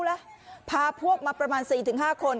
เฉยชายเสื้อขาวลักษณะเม้าพาพวกมาประมาณ๔๕คน